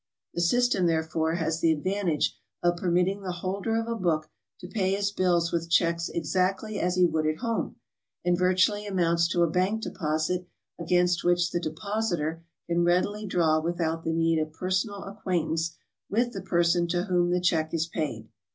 The system, therefore, has the advantage of permitting the holder of a book to pay his bills with checks exactly as he would at home, and virtually amounts to a bank deposit against which the depositor can readily draw without the need of personal acquaintance with the person to whom the check is paid.